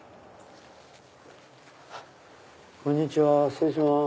こんにちは失礼します。